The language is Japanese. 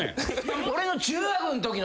俺の。